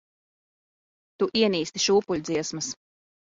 Tu ienīsti šūpuļdziesmas.